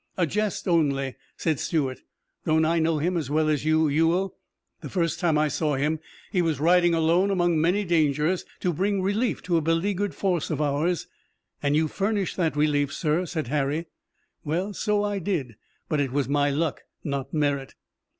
"A jest only," said Stuart. "Don't I know him as well as you, Ewell? The first time I saw him he was riding alone among many dangers to bring relief to a beleaguered force of ours." "And you furnished that relief, sir," said Harry. "Well, so I did, but it was my luck, not merit."